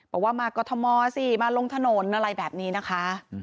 บอกว่ามากรทมสิมาลงถนนอะไรแบบนี้นะคะ